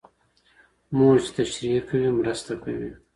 مور چي تشریح کوي مرسته کوي.